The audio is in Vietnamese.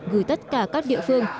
gửi tất cả các địa phương